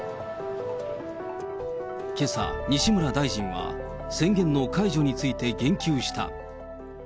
けさ、西村大臣が宣言の解除について言及した。